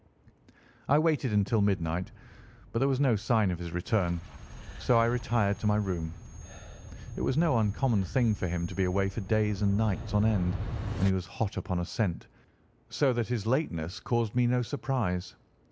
I waited until midnight, but there was no sign of his return, so I retired to my room. It was no uncommon thing for him to be away for days and nights on end when he was hot upon a scent, so that his lateness caused me no surprise.